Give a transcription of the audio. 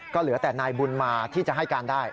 ก็เหลือแต่นายบุญมาที่จะให้การได้